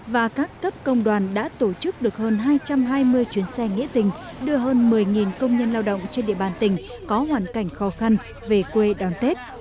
và các cấp công đoàn đã tổ chức được hơn hai trăm hai mươi chuyến xe nghĩa tình đưa hơn một mươi công nhân lao động trên địa bàn tỉnh có hoàn cảnh khó khăn về quê đón tết